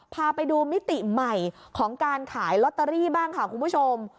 พาไปดูมิติใหม่ของการขายลอตเตอรี่บ้างค่ะคุณผู้ชม